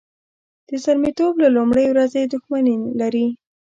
د زلمیتوب له لومړۍ ورځې دښمني لري.